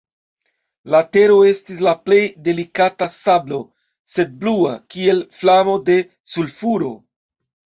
La tero estis la plej delikata sablo, sed blua, kiel flamo de sulfuro.